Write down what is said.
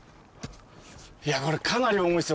いやこれかなり重いですよ